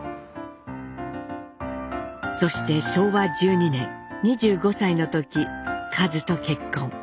そして昭和１２年２５歳の時かづと結婚。